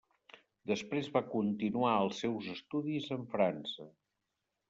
Després va continuar els seus estudis en França.